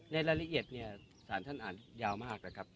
ในรายละเอียดสารท่านอ่านยาวมาก